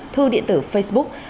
thư điện tử facebook